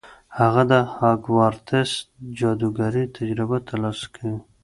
هغه د هاګوارتس جادوګرۍ تجربه ترلاسه کوي.